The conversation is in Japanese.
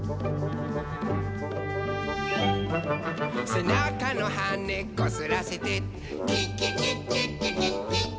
「せなかのはねこすらせて」「キッキキッキッキキッキッキ」